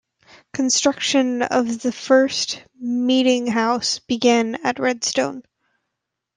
Construction of the first meetinghouse began at Redstone.